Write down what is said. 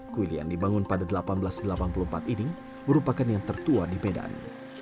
kuil yang dibangun pada seribu delapan ratus delapan puluh empat ini merupakan yang tertua di medan